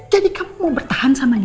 jadi kamu mau bertahan sama dia